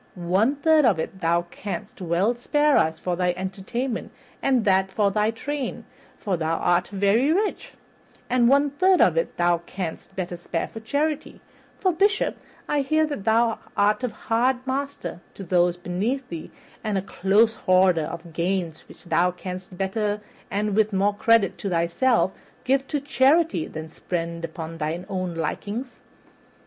One third of it thou canst well spare to us for thy entertainment and that of thy train, for thou art very rich; one third of it thou canst better spare for charity, for, Bishop, I hear that thou art a hard master to those beneath thee and a close hoarder of gains that thou couldst better and with more credit to thyself give to charity than spend upon thy own likings."